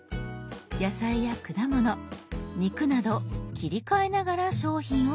「野菜」や「果物」「肉」など切り替えながら商品を確認。